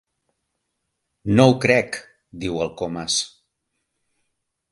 No ho crec —diu el Comas—.